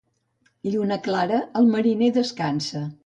Lluna clara, el mariner descansa.